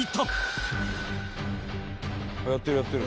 やってるやってる。